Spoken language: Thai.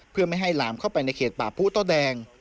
เพื่อไม่ให้หลามเข้าไปในเขตป่าผู้โต้แดง